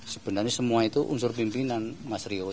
sebenarnya semua itu unsur pimpinan mas rio